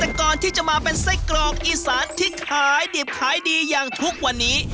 แต่ก่อนที่จะมาเป็นไส้กรอกอีสานที่ขายดิบขายดีอย่างทุกวันนี้